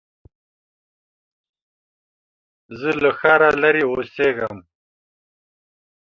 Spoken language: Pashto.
زه له ښاره لرې اوسېږم.